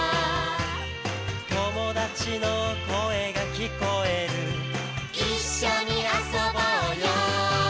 「友達の声が聞こえる」「一緒に遊ぼうよ」